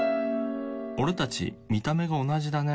俺たち見た目が同じだね。